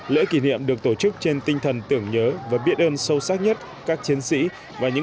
lễ kỷ niệm được tổ chức trên tinh thần tưởng nhớ và biết ơn sâu sắc nhất các chiến sĩ và những